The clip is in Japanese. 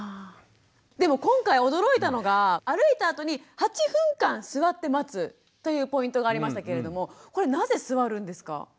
でも今回驚いたのが歩いたあとに８分間座って待つというポイントがありましたけれどもこれなぜ座るんですか？